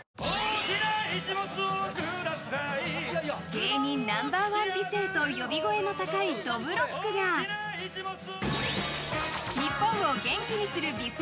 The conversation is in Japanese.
芸人ナンバー１美声と呼び声の高いどぶろっくが日本を元気にする美声